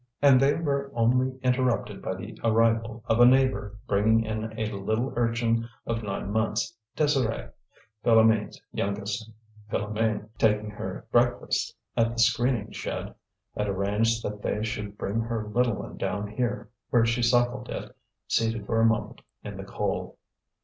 And they were only interrupted by the arrival of a neighbour bringing in a little urchin of nine months, Désirée, Philoméne's youngest; Philoméne, taking her breakfast at the screening shed, had arranged that they should bring her little one down there, where she suckled it, seated for a moment in the coal.